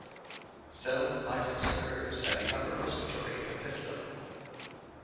Cell lysis occurs at the upper respiratory epithelium.